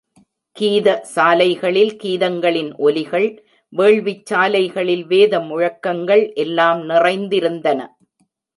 கீத சாலைகளில் கீதங்களின் ஒலிகள், வேள்விச் சாலைகளில் வேத முழக்கங்கள் எல்லாம் நிறைந்திருந்தன.